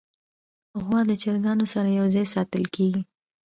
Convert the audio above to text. غوا د چرګانو سره یو ځای ساتل کېږي.